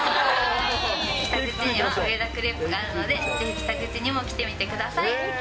北口にはウエダクレープがあるので、ぜひ北口にも来てみてください。